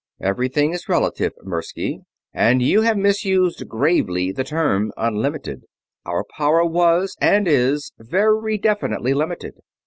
"Everything is relative, Mirsky, and you have misused gravely the term 'unlimited.' Our power was, and is, very definitely limited.